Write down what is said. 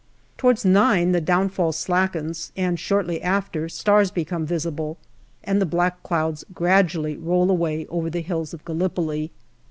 Towards nine the downfall slackens, and shortly after stars become visible, and the black clouds gradually roll away over the hills of Gallipoli.